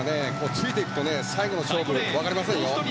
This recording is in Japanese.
ついていくと最後の勝負わかりませんよ。